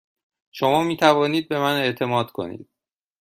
شما می توانید به من اعتماد کنید.